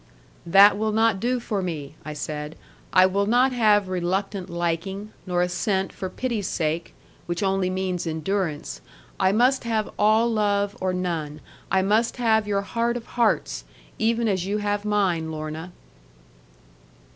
'That will not do for me,' I said; 'I will not have reluctant liking, nor assent for pity's sake; which only means endurance. I must have all love, or none, I must have your heart of hearts; even as you have mine, Lorna.'